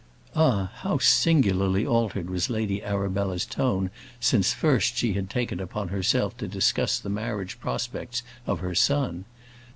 Ah! how singularly altered was Lady Arabella's tone since first she had taken upon herself to discuss the marriage prospects of her son!